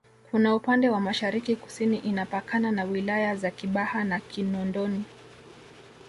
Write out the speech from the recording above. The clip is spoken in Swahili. kwa upande wa Mashariki Kusini inapakana na wilaya za Kibaha na Kinondoni